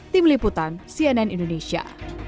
tim liputan cnn indonesia